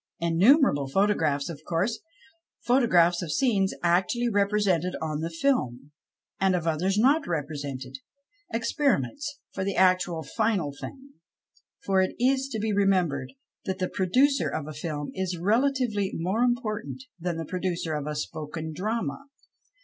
Innumerable photo graphs, of course — photographs of scenes actually represented on the " film," and of others not repre sented, experiments for the actual, final thing. For it is to l)c remembered that the producer of a " film '" is relatively more important than the producer of a " spoken drama.""